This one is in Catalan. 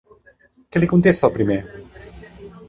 Què li contesta el primer?